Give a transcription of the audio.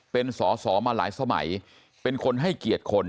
เป็นสอสอมาหลายสมัยเป็นคนให้เกียรติคน